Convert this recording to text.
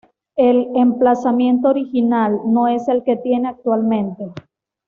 El emplazamiento original no es el que tiene actualmente.